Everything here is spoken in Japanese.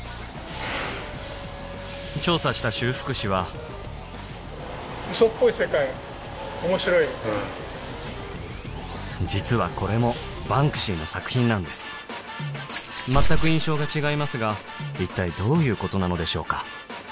調査した修復士は実はこれもバンクシーの作品なんです全く印象が違いますが一体どういうことなのでしょうか？